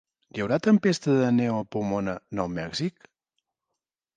Hi haurà tempesta de neu a Pomona, Nou Mèxic?